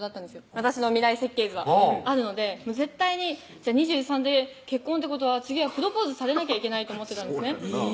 私の未来設計図はあるので絶対に２３で結婚ってことは次はプロポーズされなきゃいけないと思ってたんですね